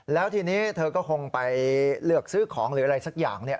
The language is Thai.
แล้วทีนี้เธอก็คงไปเลือกซื้อของหรืออะไรสักอย่าง